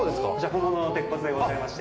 本物の鉄骨でございまして。